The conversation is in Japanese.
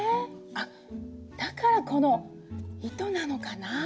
あっだからこの糸なのかなあ？